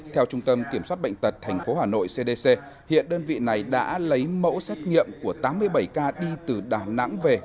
theo trung tâm kiểm soát bệnh tật tp hà nội cdc hiện đơn vị này đã lấy mẫu xét nghiệm của tám mươi bảy ca đi từ đà nẵng về